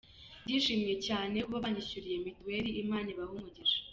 Ndishimye cyane kuba banyishyuriye mitiweri, Imana ibahe umugisha”.